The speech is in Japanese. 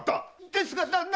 ですが旦那！